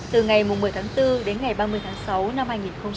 từ ngày một mươi tháng bốn đến ngày ba mươi tháng sáu năm hai nghìn một mươi sáu